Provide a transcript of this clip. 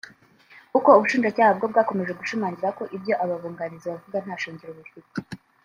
kuko ubushinjacyaha bwo bwakomeje gushimangira ko ibyo aba bunganizi bavuga nta shingiro bifite